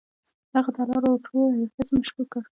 د هغه تلوار اوټو ایفز مشکوک کړ.